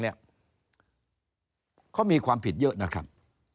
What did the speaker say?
เขามีความผิดเยอะนะครับ